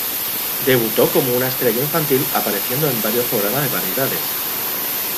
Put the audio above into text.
Debutó como una estrella infantil apareciendo en varios programas de variedades.